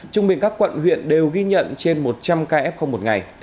trung bình các quận huyện đều ghi nhận trên một trăm linh ca f một ngày